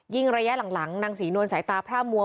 ยิ่งระยะหลังน้างษรีนวลสายตาพระมัว